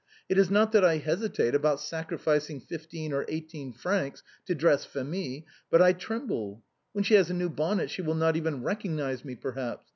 It is not that I hesitate about sacrificing about fifteen or eighteen francs to dress Phémie; but I tremble. When she has a new bonnet she will not even recognize me, perhaps.